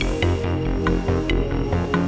aku sering bukan cari tahun